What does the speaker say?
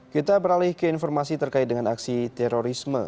kita beralih ke informasi terkait dengan aksi terorisme